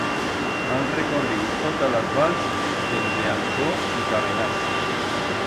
Han recorriu totas las vals, dende Ansó dica Benás.